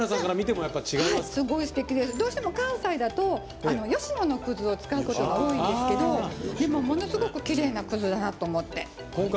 やっぱり関西だと吉野の葛を使うことが多いんですけど、ものすごくきれいな葛だなと思って。